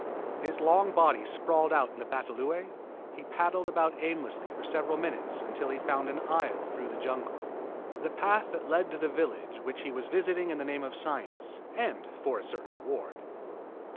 His long body sprawled out in the batalõe, he paddled about aimlessly for several minutes until he found an aisle through the jungle the path that led to the jungle village which he was visiting in the name of science, and for a certain award.